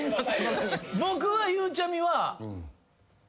僕はゆうちゃみは。